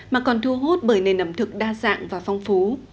mà còn thu hút bởi nền ẩm thực đa dạng và phong phú